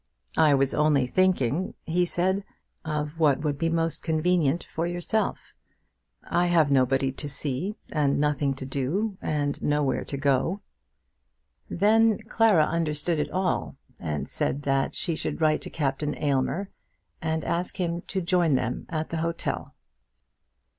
"I was only thinking," he said, "of what would be most convenient for yourself. I have nobody to see, and nothing to do, and nowhere to go to." Then Clara understood it all, and said that she would write to Captain Aylmer and ask him to join them at the hotel.